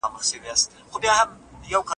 که ازموینه اسانه وي نو ریښتیني ارزونه نه کیږي.